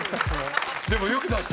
でもよく出したな。